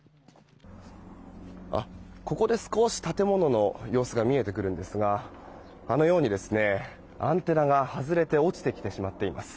ここで少し建物の様子が見えてくるんですがあのようにアンテナが外れて落ちてきてしまっています。